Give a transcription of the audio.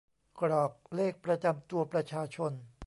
กรอกเลขประจำตัวประชาชน